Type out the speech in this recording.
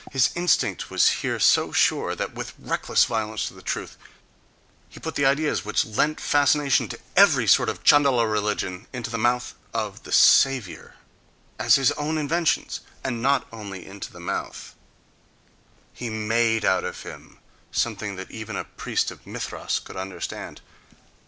His instinct was here so sure that, with reckless violence to the truth, he put the ideas which lent fascination to every sort of Chandala religion into the mouth of the "Saviour" as his own inventions, and not only into the mouth—he made out of him something that even a priest of Mithras could understand....